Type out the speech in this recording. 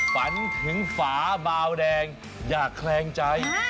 ฝันถึงฝาบาวแดงอย่าแคลงใจ